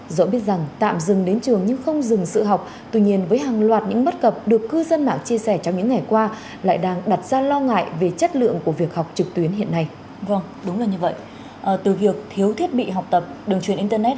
dẫu biết rằng tạm dừng đến trường nhưng không dừng sự học tuy nhiên với hàng loạt những bất cập được cư dân mạng chia sẻ trong những ngày qua lại đang đặt ra lo ngại về chất lượng của việc học trực tuyến hiện nay